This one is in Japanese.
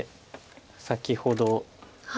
先ほど。